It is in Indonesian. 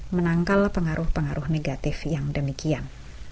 menangkal pengaruh pengaruh negatif yang demikian